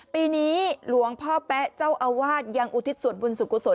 ปีนี้หลวงพ่อแป๊ะเจ้าอาวาสยังอุทิศส่วนบุญสุขุศล